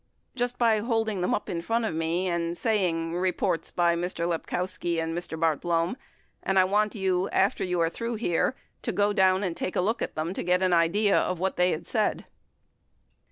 Just by holding them up in front of me and saying, "Reports by Mr. Lepkowski and Mr. Bartlome, and I want you, after you are through here, to go down and take a look at them to get an idea what they had said."